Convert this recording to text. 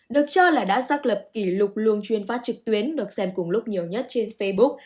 được cho là đã xác lập kỷ lục luông chuyên phát trực tuyến được xem cùng lúc nhiều nhất trên facebook